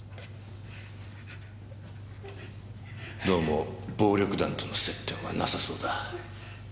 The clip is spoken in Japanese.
どうも暴力団との接点はなさそうだ。